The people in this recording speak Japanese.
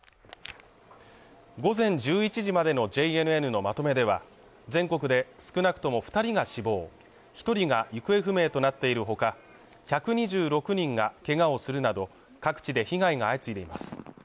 午前１１時までのＪＮＮのまとめでは全国で少なくとも二人が死亡一人が行方不明となっているほか１２６人がけがをするなど各地で被害が相次いでいます